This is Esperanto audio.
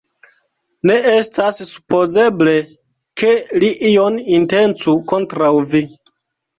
Ne estas supozeble, ke li ion intencu kontraŭ vi!